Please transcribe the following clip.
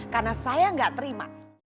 karena saya gak terima